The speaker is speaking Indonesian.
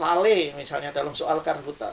lale misalnya dalam soal karbutan